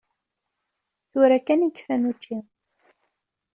Tura kan i kfan učči.